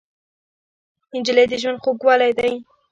نجلۍ د ژوند خوږوالی دی.